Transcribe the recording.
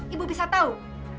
ibu bisa tahu